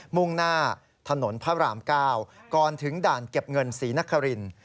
มุ่งหน้าถนนพระราม๙ก่อนถึงด่านเก็บเงินศรีนคริน